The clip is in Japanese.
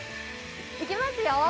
いきますよ。